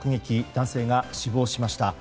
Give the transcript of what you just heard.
男性が死亡しました。